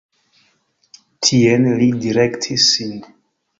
Tien li direktis sin.